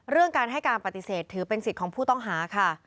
การให้การปฏิเสธถือเป็นสิทธิ์ของผู้ต้องหาค่ะ